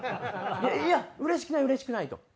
いやうれしくないうれしくないと。